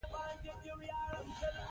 ویلهلم رونټګن د ایکس وړانګې وموندلې.